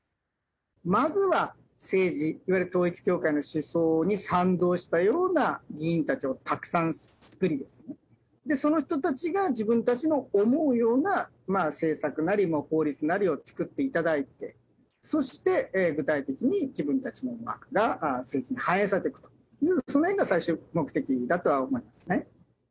まずは政治、いわゆる統一教会の思想に賛同したような議員たちをたくさん作りですね、その人たちが自分たちの思うような政策なり、法律なりを作っていただいて、そして、具体的に自分たちの思惑が政治に反映されていく、そういうのが最終目的だとは思いますね。